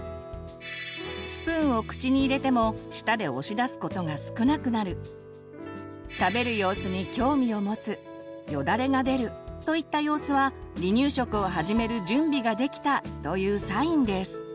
スプーンを口に入れても舌で押し出すことが少なくなる食べる様子に興味を持つよだれが出るといった様子は「離乳食を始める準備ができた」というサインです。